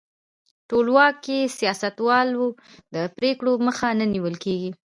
ټولواک کې د سیاستوالو د پرېکړو مخه نه نیول کیږي.